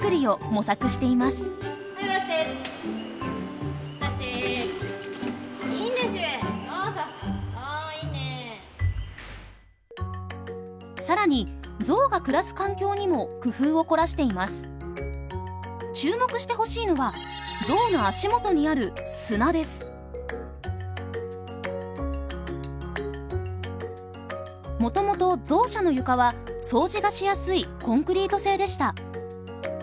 もともとゾウ舎の床は掃除がしやすいコンクリート製でした。